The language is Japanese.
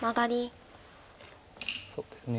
そうですね。